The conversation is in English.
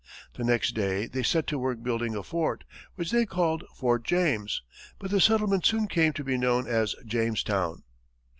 The next day they set to work building a fort, which they called Fort James, but the settlement soon came to be known as Jamestown.